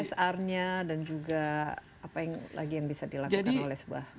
csrnya dan juga apa lagi yang bisa dilakukan oleh sebuah usaha